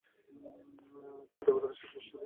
যারা দেবতাদের "সুর" গোষ্ঠীর থেকে পৃথক ছিল।